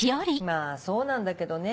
まぁそうなんだけどね。